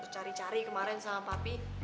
cari cari kemarin sama papi